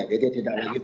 jadi tidak lagi